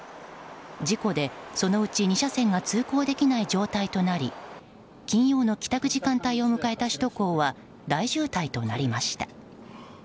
事故で、そのうち２車線が通行できない状態となり金曜の帰宅時間帯を迎えた首都高は大渋滞となりました。